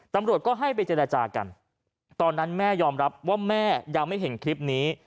ตำรวจก็ให้ไปเจรจากันตอนนั้นแม่ยอมรับว่าแม่ยังไม่เห็นคลิปนี้